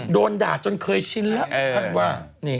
โดนด่าจนเคยชินแล้วท่านว่า